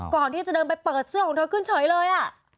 ก่อนที่จะเดินไปเปิดเสื้อของเธอขึ้นเฉยเลย